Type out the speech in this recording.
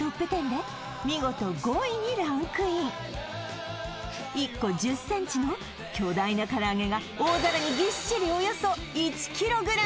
ＴＯＰ１０！で見事５位にランクイン１個１０ｃｍの巨大なからあげが大皿にぎっしりおよそ１ｋｇ鎮座